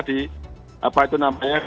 sinar ton unjung